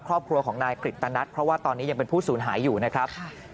ครอบครัวของนายกฤตนัทเพราะว่าตอนนี้ยังเป็นผู้สูญหายอยู่นะครับ